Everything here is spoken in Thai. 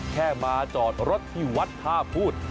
แค่มาจอดรถที่วัดท่าพูด